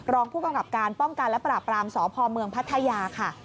รองผู้กำกับการป้องกันและปราบรามสพเมืองพัทยาค่ะ